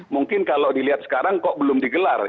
mungkin kalau dilihat sekarang kok belum digelar